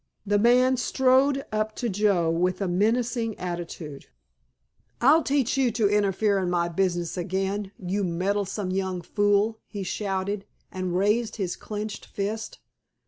The man strode up to Joe with a menacing attitude. "I'll teach you to interfere in my business again, you meddlesome young fool," he shouted, and raised his clenched fist.